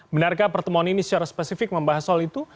benarkah pertemuan ini secara spesifik membahas soal itu